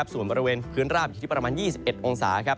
ส่วนบริเวณพื้นราบอยู่ที่ประมาณ๒๑องศา